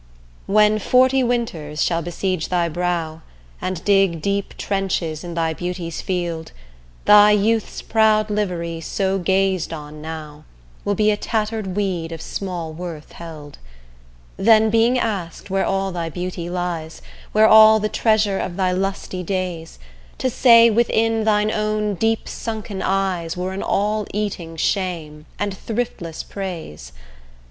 II When forty winters shall besiege thy brow, And dig deep trenches in thy beauty's field, Thy youth's proud livery so gazed on now, Will be a tatter'd weed of small worth held: Then being asked, where all thy beauty lies, Where all the treasure of thy lusty days; To say, within thine own deep sunken eyes, Were an all eating shame, and thriftless praise.